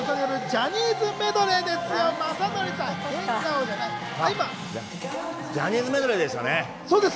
ジャニーズメドレーでしたね。